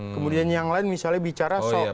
kemudian yang lain misalnya bicara soal